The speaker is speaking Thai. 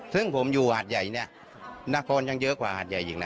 ซึ่งผมอยู่หาดใหญ่หน้ากากอย่างเยอะกว่า